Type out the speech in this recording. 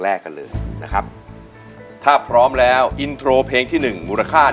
กันเลยนะครับถ้าพร้อมแล้วอินโทรเพลงที่หนึ่งมูลค่า